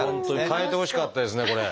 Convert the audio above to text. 本当に変えてほしかったですねこれ。